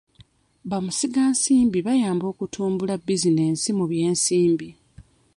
Bamusigansimbi bayamba okutumbala bisinensi mu by'ensimbi.